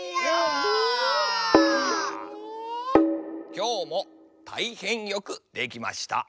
きょうもたいへんよくできました。